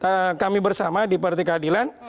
tapi berkat kami bersama di partai keadilan